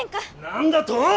何だと！